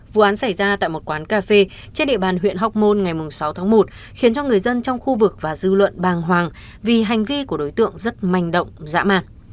vụ án xảy ra tại một quán cà phê trên địa bàn huyện hóc môn ngày sáu tháng một khiến cho người dân trong khu vực và dư luận bàng hoàng vì hành vi của đối tượng rất manh động dã ma